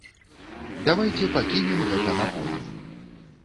Давайце пакінем гэта на потым.